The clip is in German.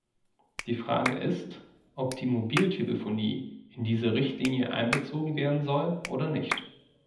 Die Frage ist, ob die Mobiltelefonie in diese Richtlinie einbezogen werden soll oder nicht.